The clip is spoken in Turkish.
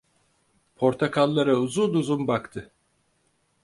Portakallara uzun uzun baktı.